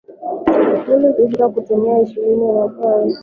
mwili ukishindwa kutumia insulini kwa ufanisi unaweza kusababisha kisukari